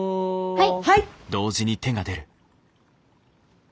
はい！